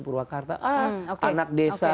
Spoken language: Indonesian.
purwakarta anak desa